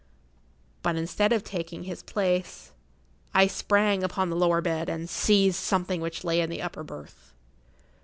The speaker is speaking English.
But instead of taking his place, I sprang upon the lower bed, and seized something which lay in the upper berth.